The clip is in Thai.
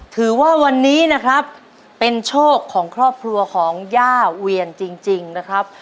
ถือว่าวันนี้นะครับเป็นโชคของครอบครัวของย่าเวียนจริงนะครับ